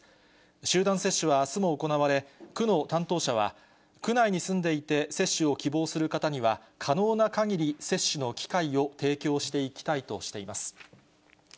集団接種はあすも行われ、区の担当者は、区内に住んでいて接種を希望する方には、可能なかぎり、接種の機会を提供していきたいとしています。